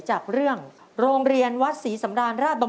วันประสูรที่๘ประวัติศาสตรี